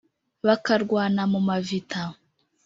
bakarwana mu mavita :